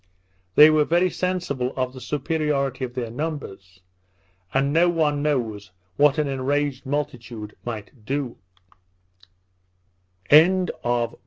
They were very sensible of the superiority of their numbers; and no one knows what an enraged multitude might do.